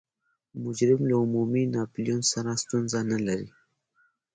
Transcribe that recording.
مجرم له عمومي ناپلیون سره ستونزه نلري.